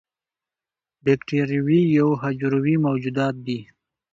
بکتریاوې یو حجروي موجودات دي